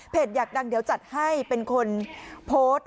อยากดังเดี๋ยวจัดให้เป็นคนโพสต์